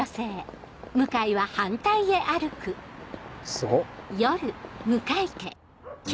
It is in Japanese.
すごっ。